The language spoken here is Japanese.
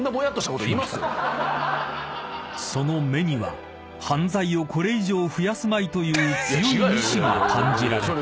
［その目には犯罪をこれ以上増やすまいという強い意志が感じられた］